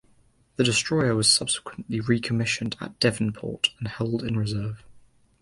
The destroyer was subsequently recommissioned at Devonport and held in reserve.